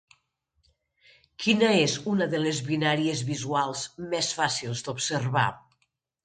Quina és una de les binàries visuals més fàcils d'observar?